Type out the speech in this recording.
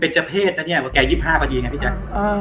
เป็นเจ้าเพศนะเนี่ยว่าแก๒๕พอดีไงพี่แจ๊ค